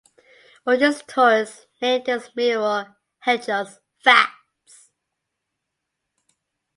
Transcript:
Ortiz Torres named his mural "Hechos" (Facts).